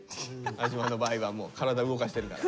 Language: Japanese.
安嶋の場合はもう体動かしてるから。